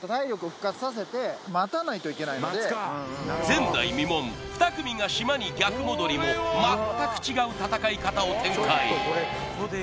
前代未聞２組が島に逆戻りも全く違う戦い方を展開